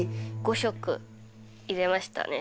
５色入れましたね